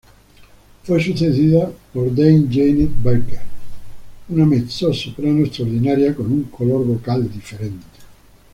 Fue sucedida por Dame Janet Baker, una mezzosoprano extraordinaria con un color vocal diferente.